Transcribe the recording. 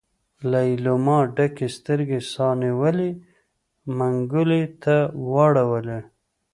ليلما ډکې سترګې سا نيولي منګلي ته واړولې.